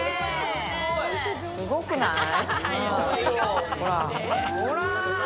すごくない？